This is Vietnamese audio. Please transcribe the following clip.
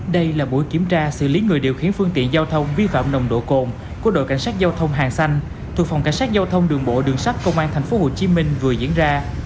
đây là buổi kiểm tra xử lý người điều khiển phương tiện giao thông vi phạm nồng độ cồn của đội cảnh sát giao thông hàng xanh thuộc phòng cảnh sát giao thông đường bộ đường sắt công an tp hcm vừa diễn ra